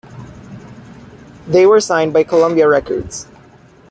They were signed by Columbia Records.